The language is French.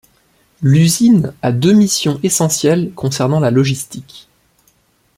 L'usine a deux missions essentielles concernant la logistique.